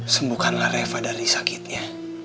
sembukkanlah reva dari sakitnya